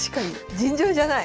尋常じゃない！